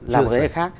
là một cái khác